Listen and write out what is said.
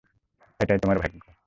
এটাই তোমার ভাগ্য।